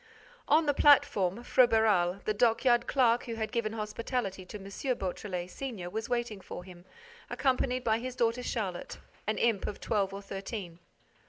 On the platform, Froberval, the dockyard clerk who had given hospitality to M. Beautrelet, senior, was waiting for him, accompanied by his daughter Charlotte, an imp of twelve or thirteen.